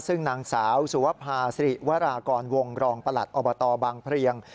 ซึ่งนางสาวสุวภาษิริวรากรวงรองประหลัดอบตบางเพลียง